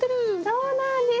そうなんです。